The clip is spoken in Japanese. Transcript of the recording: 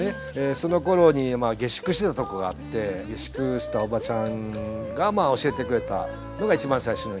そのころに下宿してたとこがあって下宿してたおばちゃんが教えてくれたのが一番最初のきっかけですね。